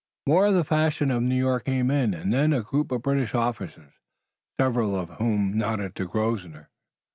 More of the fashion of New York came in and then a group of British officers, several of whom nodded to Grosvenor.